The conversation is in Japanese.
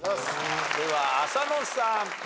では浅野さん。